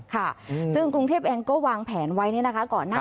ค่ะซึ่งกรุงเทพเองก็วางแผนไว้ก่อนหน้า